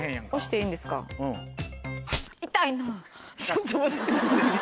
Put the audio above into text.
ちょっと待って。